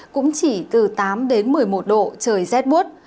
cũng chỉ từ tám đến một mươi một độ trời rét bút